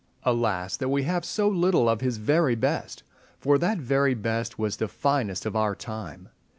Alas that we have so little of his very best! for that very best was the finest of our time.